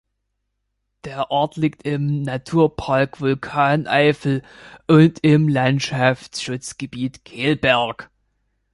Der Ort liegt im Naturpark Vulkaneifel und im Landschaftsschutzgebiet „Kelberg“.